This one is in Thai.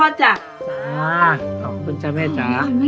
สุขสันด์บรรเกิดนะจ๊ะพ่อจ๊ะ